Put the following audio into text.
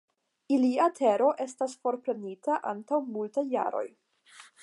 Ilia tero estas forprenita antaŭ multaj jaroj.